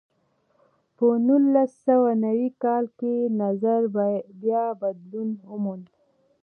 په نولس سوه نوي کال کې نظر بیا بدلون وموند.